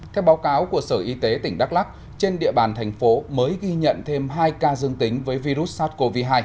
theo báo cáo của sở y tế tỉnh đắk lắc trên địa bàn thành phố mới ghi nhận thêm hai ca dương tính với virus sars cov hai